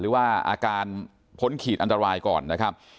หรือว่าอาการพ้นขีดอันตรายก่อนนะครับ